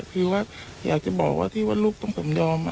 คือว่าอยากจะบอกว่าที่ว่าลูกต้องผมยอม